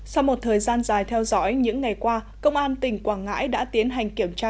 sau một thời gian dài theo dõi những ngày qua công an tỉnh quảng ngãi đã tiến hành kiểm tra